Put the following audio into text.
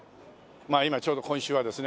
今ちょうど今週はですね